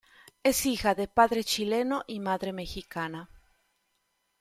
Es hija de padre chileno y madre mexicana.